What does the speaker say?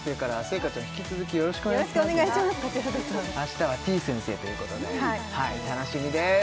こちらこそ明日はてぃ先生ということで楽しみです